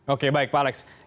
oke baik pak alex